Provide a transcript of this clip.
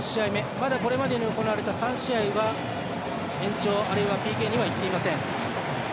まだこれまでに行われた３試合は延長あるいはＰＫにはいっていません。